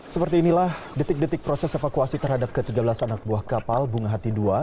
seperti inilah detik detik proses evakuasi terhadap ke tiga belas anak buah kapal bunga hati dua